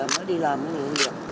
mới đi làm mới đi làm